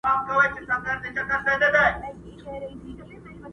پېړۍ وسوه لا جنګ د تور او سپینو دی چي کيږي،